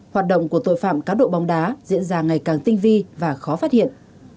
hoạt động của tội phạm cá độ bóng đá diễn ra ngày càng tinh vi và khó phát hiện